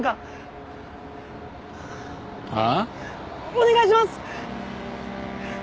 お願いします！